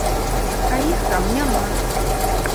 А іх там няма!